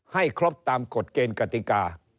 ให้ครบตามกฎเกณฑ์กติกา